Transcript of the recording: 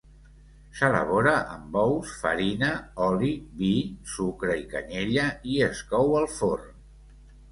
S'elabora amb ous, farina, oli, vi, sucre i canyella i es cou al forn.